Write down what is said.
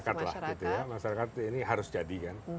masyarakat lah gitu ya masyarakat ini harus jadi kan